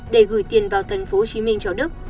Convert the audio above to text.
để gửi tiền vào tp hcm cho đức